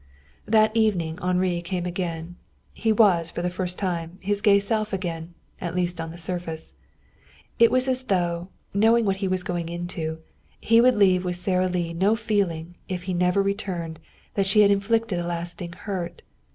That evening Henri came again. He was, for the first time, his gay self again at least on the surface. It was as though, knowing what he was going into, he would leave with Sara Lee no feeling, if he never returned, that she had inflicted a lasting hurt.